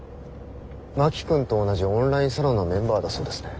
真木君と同じオンラインサロンのメンバーだそうですね。